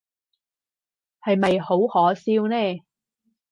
係咪好可笑呢？